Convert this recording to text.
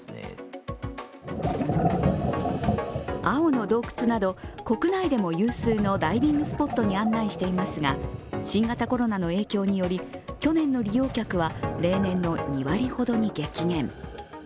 青の洞窟など国内でも有数のダイビングスポットに案内していますが、新型コロナの影響により、去年の利用客は例年の２割ほどに激減。